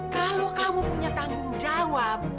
kalau kamu punya tanggung jawab